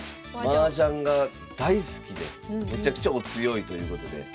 マージャンが大好きでめちゃくちゃお強いということで。